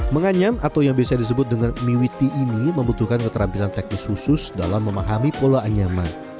menganyam atau yang biasa disebut dengan miwiti ini membutuhkan keterampilan teknis khusus dalam memahami pola anyaman